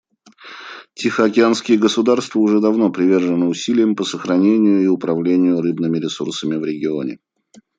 Тихоокеанские государства уже давно привержены усилиям по сохранению и управлению рыбными ресурсами в регионе.